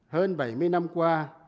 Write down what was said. hơn bảy mươi năm qua